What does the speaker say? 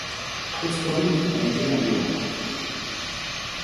Iti promit, regina Jodha.